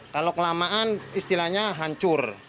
kalau kelamaan istilahnya hancur